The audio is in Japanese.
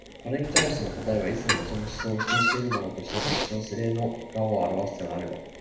これに対して答えはいつでもその思想を否定し得るものとして実証性の側を現すとすれば、